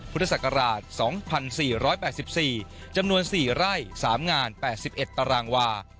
พุทธศักราช๒๔๘๔จำนวน๔ไร่๓งาน๘๑ตารางวา